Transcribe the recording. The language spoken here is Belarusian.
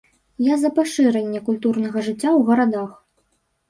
Я за пашырэнне культурнага жыцця ў гарадах.